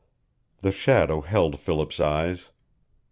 The shadow held Philip's eyes.